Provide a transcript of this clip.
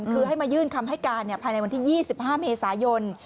คือให้มายื่นคำให้การภายในวันที่๒๕เมษายน